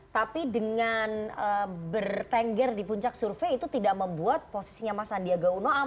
tapi dengan bertengger di puncak survei itu tidak membuat posisinya mas sandiaga uno